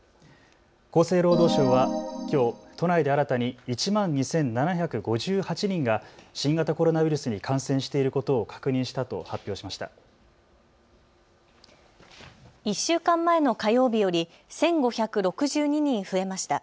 厚生労働省はきょう都内で新たに１万２７５８人が新型コロナウイルスに感染していることを確認したと発表しました。